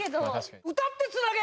歌ってつなげ！